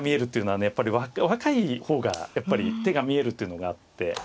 やっぱり若い方がやっぱり手が見えるというのがあって。